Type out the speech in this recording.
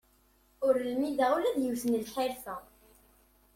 Ur lmideɣ ula d yiwet n lḥirfa.